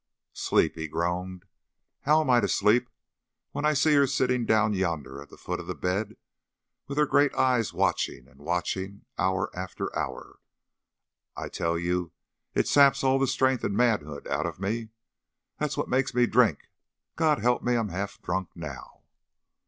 "Sleep!" he groaned. "How am I to sleep when I see her sitting down yonder at the foot of the bed with her great eyes watching and watching hour after hour? I tell you it saps all the strength and manhood out of me. That's what makes me drink. God help me I'm half drunk now!"